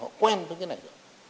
họ quen với cái này rồi